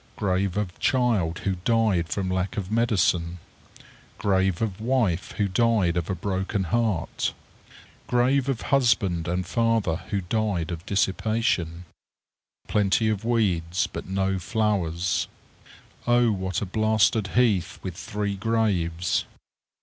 Grave of child who died from lack of medicine. Grave of wife who died of a broken heart. Grave of husband and father who died of dissipation. Plenty of weeds, but no flowers. O what a blasted heath with three graves!